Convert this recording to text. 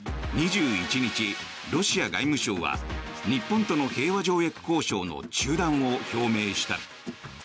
２１日、ロシア外務省は日本との平和条約交渉の中断を表明した。